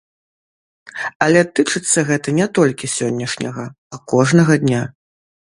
Але тычыцца гэта не толькі сённяшняга, а кожнага дня.